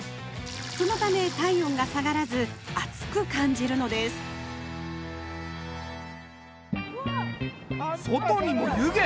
そのため体温が下がらず暑く感じるのです外にも湯気！